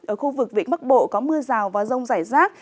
ở khu vực vĩnh bắc bộ có mưa rào và rông rải rác